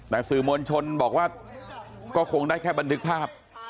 แต่สื่อมวลชนบอกว่าก็คงได้แค่บันทึกภาพ